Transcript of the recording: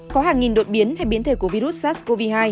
có hàng nghìn đột biến hay biến thể của virus sars cov hai